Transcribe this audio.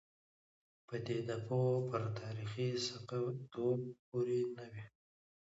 پدیده پوه پر تاریخي ثقه توب پورې نه وي.